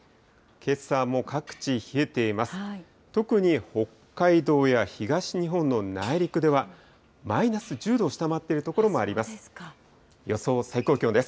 けさも各地、冷えています。